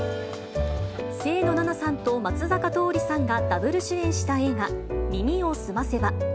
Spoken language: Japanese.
清野菜名さんと松坂桃李さんがダブル主演した映画、耳をすませば。